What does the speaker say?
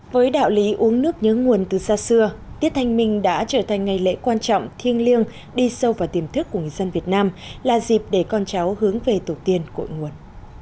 với đạo lý uống nước nhớ nguồn từ xa xưa tiết thanh minh đã trở thành ngày lễ quan trọng thiêng liêng đi sâu vào tiềm thức của người dân việt nam là dịp để con cháu hướng về tổ tiên cội nguồn